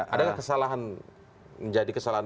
adakah kesalahan menjadi kesalahan